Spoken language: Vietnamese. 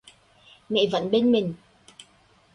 Mẹ vẫn bên mình